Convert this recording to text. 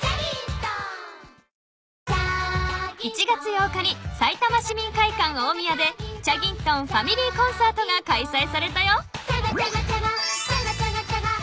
［１月８日にさいたま市民会館おおみやでチャギントンファミリーコンサートがかいさいされたよ］